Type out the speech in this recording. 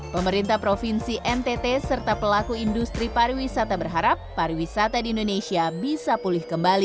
pemerintah provinsi ntt serta pelaku industri pariwisata berharap pariwisata di indonesia bisa pulih kembali